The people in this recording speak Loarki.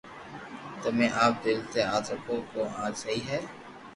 تمي آپ دل تي ھاٿ رکو ڪو آ سھي ھي